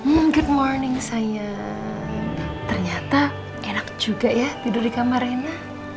mungkin good morning saya ternyata enak juga ya tidur di kamar rena